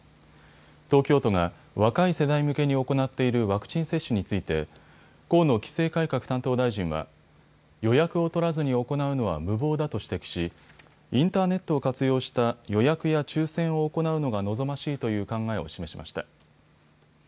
東京都が若い世代向けに行っているワクチン接種について河野規制改革担当大臣は、予約を取らずに行うのは無謀だと指摘しインターネットを活用した予約や抽せんを行うのが望ましいという考えを示しました。